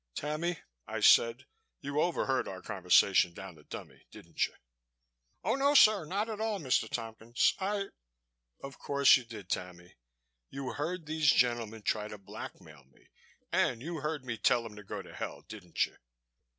"Tammy," I said. "You overheard our conversation down the dummy, didn't you?" "Oh no, sir. Not at all, Mr. Tompkins. I " "Of course you did, Tammy. You heard these gentlemen try to blackmail me and you heard me tell them to go to hell, didn't you?"